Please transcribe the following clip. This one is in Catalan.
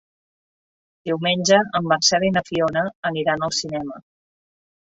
Diumenge en Marcel i na Fiona aniran al cinema.